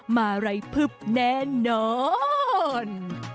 มาไร้พึบแน่นอน